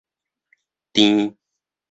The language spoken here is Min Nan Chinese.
填